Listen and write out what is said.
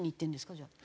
じゃあ。